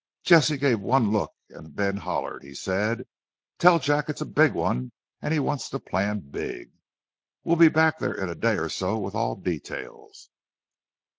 Jesse gave one look an' then hollered. He said, 'Tell Jack it's big an' he wants to plan big. We'll be back there in a day or so with all details.'"